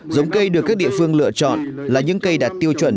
giống cây được các địa phương lựa chọn là những cây đạt tiêu chuẩn